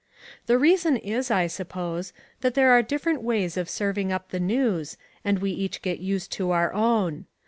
The reason is, I suppose, that there are different ways of serving up the news and we each get used to our own.